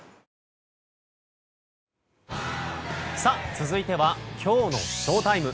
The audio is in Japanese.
続いては今日のＳＨＯＴＩＭＥ。